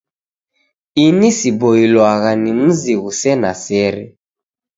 Ini siboilwagha ni muzi ghusena sere.